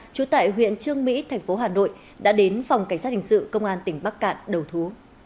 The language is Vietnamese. trú tại huyện trương mỹ thành phố hà nội đã đến phòng cảnh sát hình sự công an tỉnh bắc cạn đầu thú